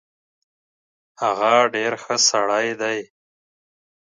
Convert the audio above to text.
هغه ډیر خه سړی دی